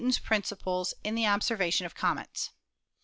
Newton's principles in the observation of comets.